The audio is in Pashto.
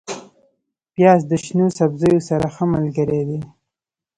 پیاز د شنو سبزیو سره ښه ملګری دی